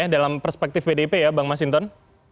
dalam perspektif pdip ya bang masinton